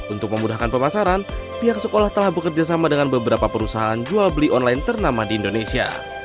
untuk memudahkan pemasaran pihak sekolah telah bekerjasama dengan beberapa perusahaan jual beli online ternama di indonesia